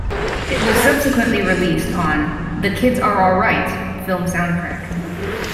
It was subsequently released on "The Kids Are Alright" film soundtrack.